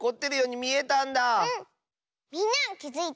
みんなはきづいた？